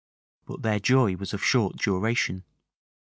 But their joy was of short duration.